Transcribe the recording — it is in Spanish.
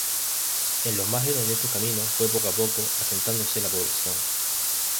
En los márgenes de estos caminos fue poco a poco asentándose la población.